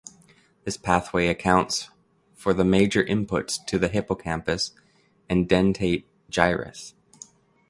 This pathway accounts for the major inputs to the hippocampus and dentate gyrus.